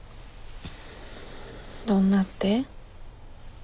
どんなって？